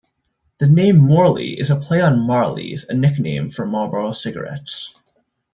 The name "Morley" is a play on "Marleys", a nickname for Marlboro cigarettes.